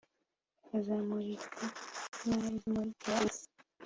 bazamurika nkimuri zimurikira isi